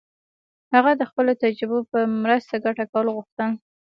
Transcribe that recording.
هغه د خپلو تجربو په مرسته ګټه کول غوښتل.